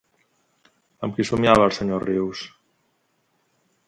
Amb qui somiava el senyor Rius?